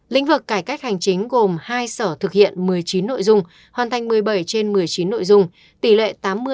lĩnh vực cải cách hành chính gồm hai sở thực hiện một mươi chín nội dung hoàn thành một mươi bảy trên một mươi chín nội dung tỷ lệ tám mươi